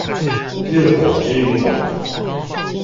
熱狗之於狗